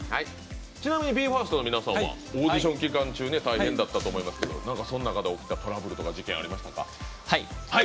ちなみにＢＥ：ＦＩＲＳＴの皆さんはオーディション期間中大変だったと思いますがなんか、その中で起きたトラブルとか事件ありましたか？